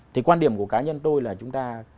thì quan điểm của cá nhân tôi là chúng ta